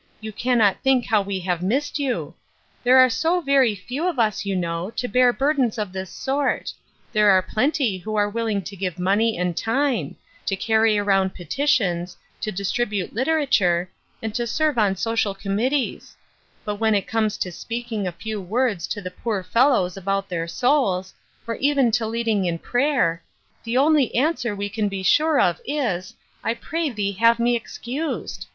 You cannot think how we have missed you ! There are so very few of us, you know, to bear burdens of this sort. There are plenty who are willing to give money, and time ; to carry around petitions, to distribute literature, and to serve on social committees ; but when it comes to speaking a few words to the poor fellows about their souls, or even to leading in prayer, the only answer we can be sure of is, ' I pray thee have me excused